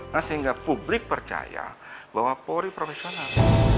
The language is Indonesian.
nah sehingga publik percaya bahwa polri profesional